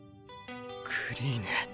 クリーネ。